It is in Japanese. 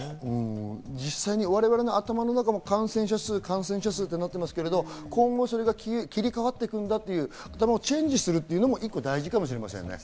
実際、我々の頭の中も感染者数、感染者数となってますけど、今後それが切り替わっていくんだという頭をチェンジすることも一つ大事かもしれませんね。